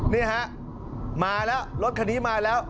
นี่ฮะมาแล้วรถคันนี้มาแล้ว